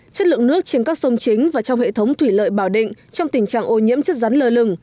chất lượng nước trên các sông chính và trong hệ thống thủy lợi bảo định trong tình trạng ô nhiễm chất rắn lơ lửng